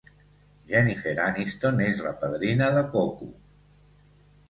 Jennifer Aniston és la padrina de Coco.